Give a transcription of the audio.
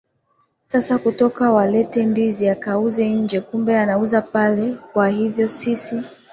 sasa kutoka waletee ndizi akauze nje kumbe anauza pale kwa hivyo sisi